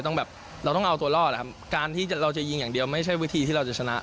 แบบเราต้องเอาตัวรอดอะครับการที่เราจะยิงอย่างเดียวไม่ใช่วิธีที่เราจะชนะ